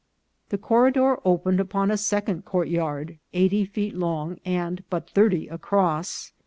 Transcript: This corridor opened upon a second courtyard, eighty feet long and but thirty across.